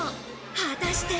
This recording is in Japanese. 果たして。